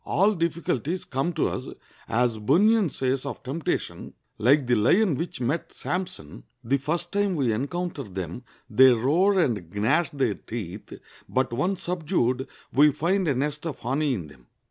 All difficulties come to us, as Bunyan says of temptation, like the lion which met Sampson, the first time we encounter them they roar and gnash their teeth, but once subdued we find a nest of honey in them.